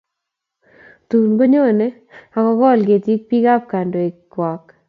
Tun konyone ak kokol ketik biik ak kandoik chwak